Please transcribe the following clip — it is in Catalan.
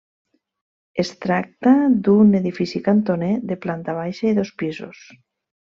Es tracta d'un edifici cantoner, de planta baixa i dos pisos.